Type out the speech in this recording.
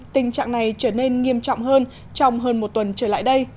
tình trạng này trở nên nghiêm trọng hơn trong hơn một tuần trở lại đây